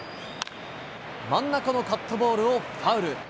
真ん中のカットボールをファウル。